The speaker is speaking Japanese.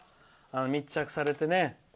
密着されてね。